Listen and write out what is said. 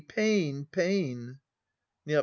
Pain, pain! Neo.